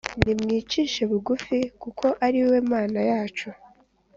Nimwicishe bugufi kuko ariwe mana yacu